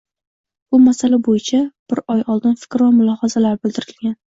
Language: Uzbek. Bu masala bo'yicha bir oy oldin fikr va mulohazalar bildirilgan